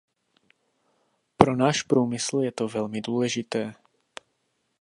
Pro náš průmysl je to velmi důležité.